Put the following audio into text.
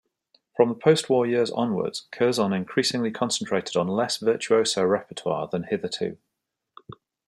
From the post-war years onwards, Curzon increasingly concentrated on less virtuoso repertoire than hitherto.